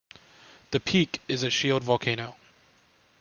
The peak is a shield volcano.